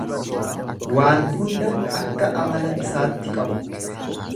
Waan hunda akka amala isaatti qabu.